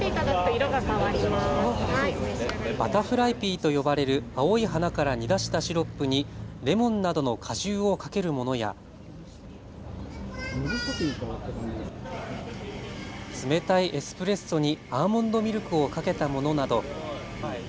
バタフライピーと呼ばれる青い花から煮出したシロップにレモンなどの果汁をかけるものや冷たいエスプレッソにアーモンドミルクをかけたものなど。